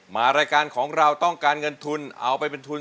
มารายการของเราต้องการเงินทุน